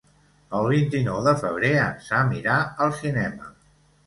El vint-i-nou de febrer en Sam irà al cinema.